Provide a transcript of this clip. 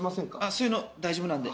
そういうの大丈夫なんで。